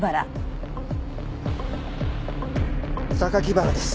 原です。